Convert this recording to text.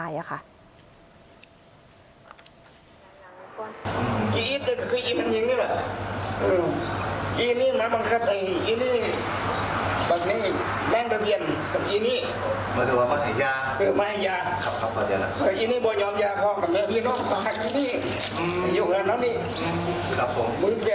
เอี่นี่มะมังคติเย็นแล้วกับเองเนี่ย